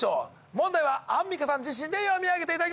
問題はアンミカさん自身で読み上げていただきましょう。